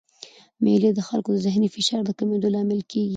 مېلې د خلکو د ذهني فشار د کمېدو لامل کېږي.